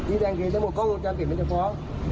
ชี้แจงเคลียร์ได้หมดก็มองจำเป็นมันจะพร้อม